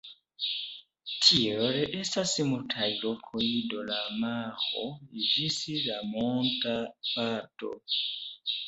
Tiel, estas multaj lokoj de la maro ĝis la monta parto.